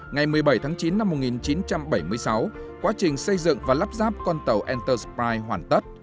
ngày một mươi bảy tháng chín năm một nghìn chín trăm bảy mươi sáu quá trình xây dựng và lắp ráp con tàu entersprite hoàn tất